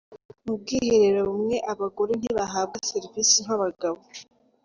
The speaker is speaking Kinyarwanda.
Mu bwiherero bumwe abagore ntibahabwa serivisi nk’abagabo